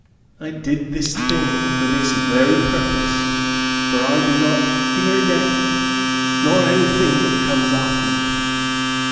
I did this thing for this very purpose, for I do not fear death nor anything that comes after it.